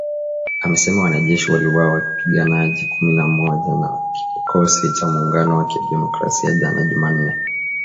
Amesema wanajeshi waliwaua wapiganaji kumi na moja wa Kikosi cha Muungano wa Kidemokrasia jana Jumanne.